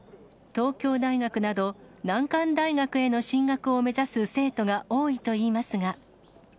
東京大学など、難関大学への進学を目指す生徒が多いといいますが。